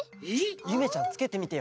ゆめちゃんつけてみてよ。